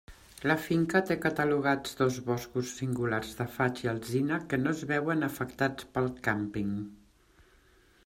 La finca té catalogats dos boscos singulars de faig i alzina que no es veuen afectats pel càmping.